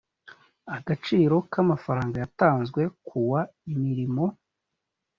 agaciro ka frw ryatanzwe ku wa imirimo